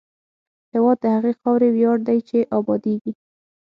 هېواد د هغې خاورې ویاړ دی چې ابادېږي.